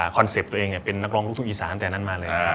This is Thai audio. คอนเซปตัวเองเนี่ยเป็นนักร้องลูกทุกอีสานั้นมาเลย